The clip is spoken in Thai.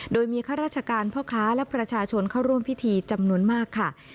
โดยมีข้าราชการพ่อค้าและประชาชนเข้าร่วมพิธีจำนวนมากค่ะ